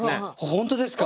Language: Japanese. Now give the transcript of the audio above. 本当ですか？